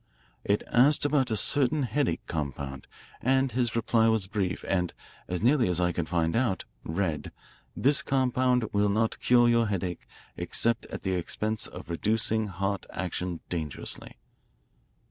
It asked about a certain headache compound, and his reply was brief and, as nearly as I can find out, read, 'This compound will not cure your headache except at the expense of reducing heart action dangerously.'